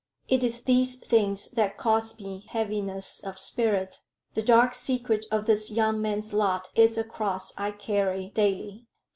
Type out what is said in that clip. It is these things that cause me heaviness of spirit: the dark secret of this young man's lot is a cross I carry daily."